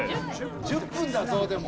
１０分だぞでも。